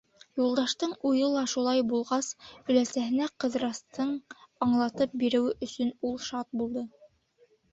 Юлдаштың уйы ла шулай булғас, өләсәһенә Ҡыҙырастың аңлатып биреүе өсөн ул шат булды.